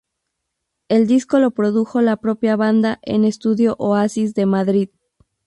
El disco lo produjo la propia banda en "Estudios Oasis" de Madrid.